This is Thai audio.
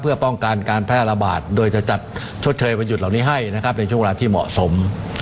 เพื่อป้องกันการแพร่ระบาดโดยจะจัดชดเชยวันหยุดเหล่านี้ให้นะครับในช่วงเวลาที่เหมาะสม